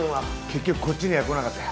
結局こっちには来なかった。